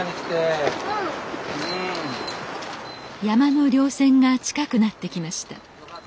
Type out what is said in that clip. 山の稜線が近くなってきました。